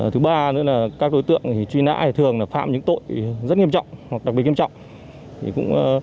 thứ ba nữa là các đối tượng truy nã thường là phạm những tội rất nghiêm trọng hoặc đặc biệt nghiêm trọng